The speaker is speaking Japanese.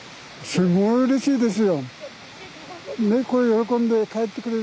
すごいうれしいです。